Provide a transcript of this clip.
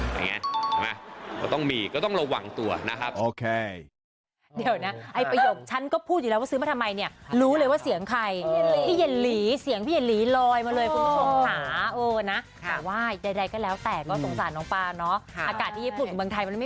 ใช่ไหมก็ต้องมีก็ต้องระวังตัวนะครับ